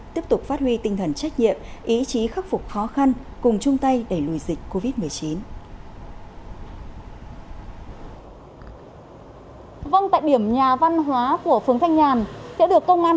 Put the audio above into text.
tiếp tục phát huy tinh thần trách nhiệm ý chí khắc phục khó khăn cùng chung tay đẩy lùi dịch covid một mươi chín